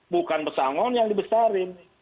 bukan pesangon yang dibesarin